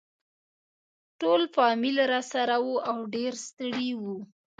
ټول فامیل راسره وو او ډېر ستړي وو.